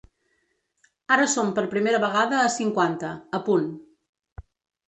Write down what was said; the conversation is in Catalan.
Ara som per primera vegada a cinquanta, a punt.